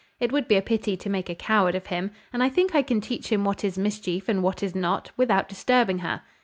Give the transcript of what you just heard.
It would be a pity to make a coward of him; and I think I can teach him what is mischief, and what is not, without disturbing her.